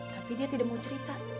tapi dia tidak mau cerita